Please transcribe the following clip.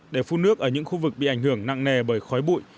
để phun nước ở những khu vực bị ảnh hưởng nặng nề bởi khói bụi